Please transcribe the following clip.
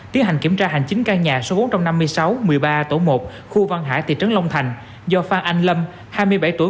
tiến hành kiểm tra hành chính căn nhà số bốn trăm năm mươi sáu một mươi ba tổ một khu văn hải thị trấn long thành do phan anh lâm hai mươi bảy tuổi